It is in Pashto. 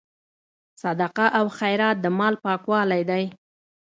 صدقه او خیرات د مال پاکوالی دی.